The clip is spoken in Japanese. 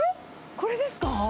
これですか？